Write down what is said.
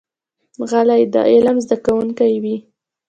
غلی، د علم زده کوونکی وي.